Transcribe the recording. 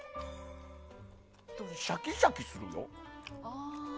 シャキシャキするよ？